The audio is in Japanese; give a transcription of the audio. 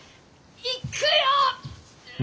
行くよ！